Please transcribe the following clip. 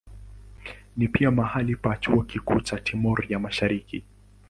Ni pia mahali pa chuo kikuu cha Timor ya Mashariki.